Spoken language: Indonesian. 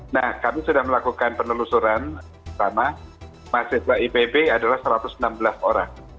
nah kami sudah melakukan penelusuran pertama mahasiswa ipb adalah satu ratus enam belas orang